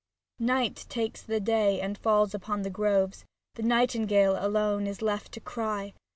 Night takes the day and falls upon the groves. The nightingale alone is left to cry.